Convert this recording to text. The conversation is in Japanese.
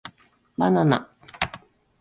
ばなな